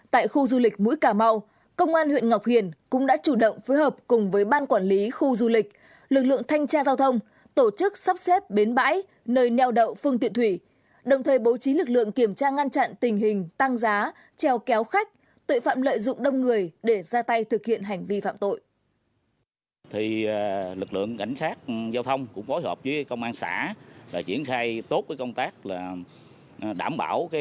tại khu du lịch mũi cà mau công an huyện ngọc hiền cũng đã chủ động phối hợp cùng với ban quản lý khu du lịch lực lượng thanh tra giao thông tổ chức sắp xếp bến bãi nơi nheo đậu phương tiện thủy đồng thời bố trí lực lượng kiểm tra ngăn chặn tình hình tăng giá treo kéo khách tội phạm lợi dụng đông người để ra tay thực hiện hành vi phạm tội